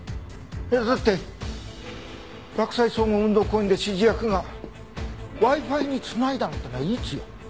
だって洛西総合運動公園で指示役がＷｉ−Ｆｉに繋いだのってのはいつよ。